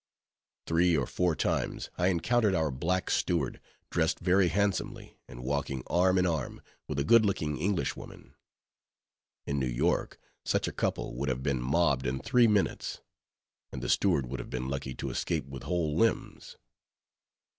Three or four times, I encountered our black steward, dressed very handsomely, and walking arm in arm with a good looking English woman. In New York, such a couple would have been mobbed in three minutes; and the steward would have been lucky to escape with whole limbs.